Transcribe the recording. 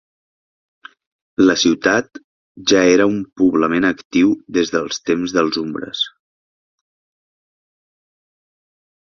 La ciutat ja era un poblament actiu des dels temps dels umbres.